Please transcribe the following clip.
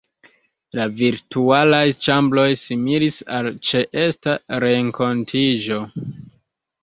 La virtualaj ĉambroj similis al ĉeesta renkontiĝo.